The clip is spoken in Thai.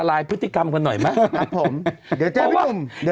มันไปครั้งตะโรก